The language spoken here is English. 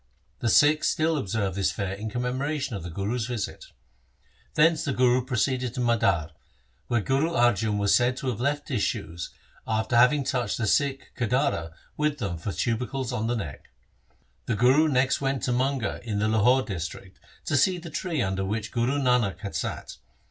The Sikhs still observe this fair in commemoration of the Guru's visit. Thence the Guru proceeded to Madar, where Guru Arjan was said to have left his shoes after having touched the Sikh Kidara with them for tubercles on the neck. The Guru next went to Manga in the Lahore district to see the tree under which Guru Nanak had sat.